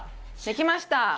できました。